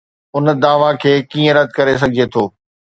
ان دعويٰ کي ڪيئن رد ڪري سگهجي ٿو؟